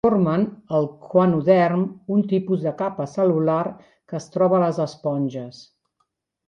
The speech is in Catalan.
Formen el coanoderm, un tipus de capa cel·lular que es troba a les esponges.